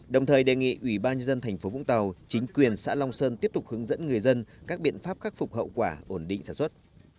đồng thời đề nghị ủy ban nhân dân tp vũng tàu chính quyền xã long sơn tiếp tục hướng dẫn người dân các biện pháp khắc phục hậu quả ổn định sản xuất